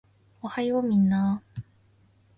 おはようみんなー